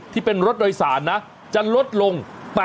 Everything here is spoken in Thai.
ที่เป็นรถโดยสารนะจะลดลง